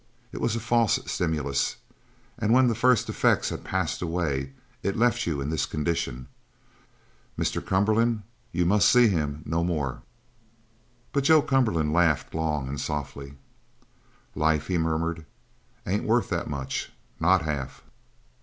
It was a false stimulus, and when the first effects had passed away, it left you in this condition. Mr. Cumberland, you must see him no more!" But Joe Cumberland laughed long and softly. "Life," he murmured, "ain't worth that much! Not half!"